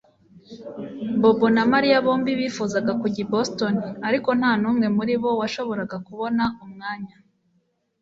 Bobo na Mariya bombi bifuzaga kujya i Boston ariko nta numwe muri bo washoboraga kubona umwanya